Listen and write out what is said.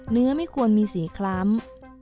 ๔เนื้อไม่ควรมีสีคล้ำ